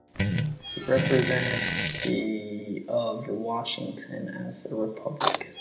He represented the of Washington as a Republican.